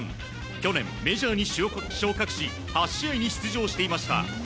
去年、メジャーに昇格し８試合に出場していました。